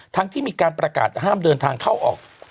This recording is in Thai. ที่มีการประกาศห้ามเดินทางเข้าออก